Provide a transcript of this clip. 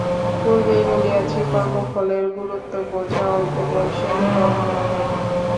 পূর্বেই বলিয়াছি, কর্মফলের গুরুত্ব বোঝা অল্প বয়সের কর্ম নহে।